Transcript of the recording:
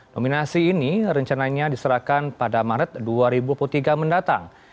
nominasi ini rencananya diserahkan pada maret dua ribu dua puluh tiga mendatang